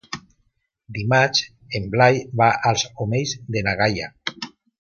Dimarts en Blai va als Omells de na Gaia.